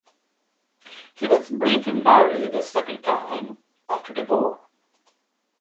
He was briefly married a second time, after the war.